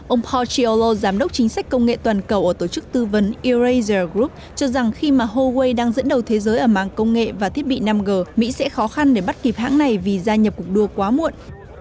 ông pau chiolo giám đốc chính sách công nghệ toàn cầu ở tổ chức tư vấn eraser group cho rằng khi mà huawei đang dẫn đầu thế giới ở mạng công nghệ và thiết bị năm g mỹ sẽ khó khăn để bắt kịp hãng này vì gia nhập cuộc đua quá muộn